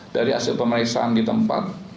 dari hasil pemeriksaan di tempat